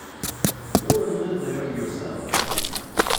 Go and live there yourself.